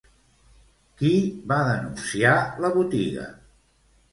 Qui va denunciar la botiga?